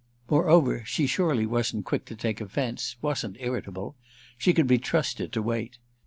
Moreover she surely wasn't quick to take offence, wasn't irritable; she could be trusted to wait.